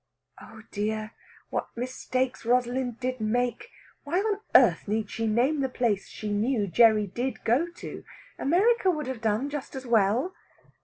Oh dear, what mistakes Rosalind did make! Why on earth need she name the place she knew Gerry did go to? America would have done just as well.